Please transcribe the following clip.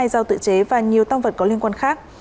hai dao tự chế và nhiều tăng vật có liên quan khác